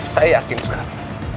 saya yakin sekali